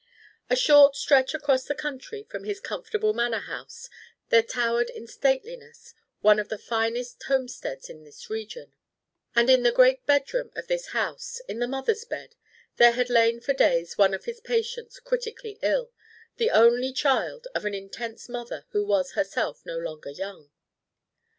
A short stretch across the country from his comfortable manor house there towered in stateliness one of the finest homesteads of this region; and in the great bedroom of this house, in the mother's bed, there had lain for days one of his patients critically ill, the only child of an intense mother who was herself no longer young.